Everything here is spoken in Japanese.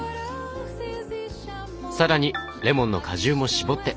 更にレモンの果汁も搾って。